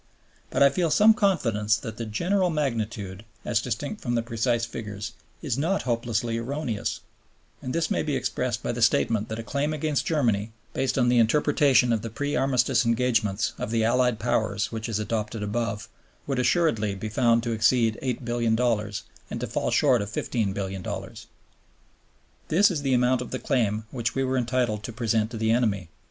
But I feel some confidence that the general magnitude, as distinct from the precise figures, is not hopelessly erroneous; and this may be expressed by the statement that a claim against Germany, based on the interpretation of the pre Armistice engagements of the Allied Powers which is adopted above, would assuredly be found to exceed $8,000,000,000 and to fall short of $15,000,000,000. This is the amount of the claim which we were entitled to present to the enemy.